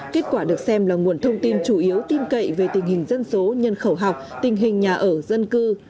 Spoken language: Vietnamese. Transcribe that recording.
kết quả được xem là nguồn thông tin chủ yếu tin cậy về tình hình dân số nhân khẩu học tình hình nhà ở dân cư